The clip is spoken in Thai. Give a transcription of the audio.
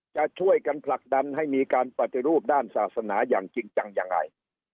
จะช่วยกันผลักดันให้มีการปฏิรูปด้านศาสนาอย่างจริงจังยังไง